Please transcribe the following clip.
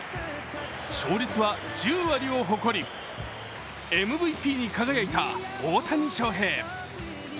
勝率は１０割を誇りＭＶＰに輝いた大谷翔平。